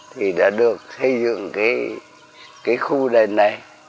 thì đã được xây dựng cái khu đền này